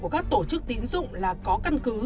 của các tổ chức tín dụng là có căn cứ